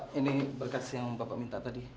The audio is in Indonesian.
ini berkas yang bapak minta tadi